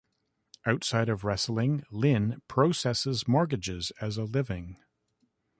Outside of wrestling Lynn processes mortgages as a living.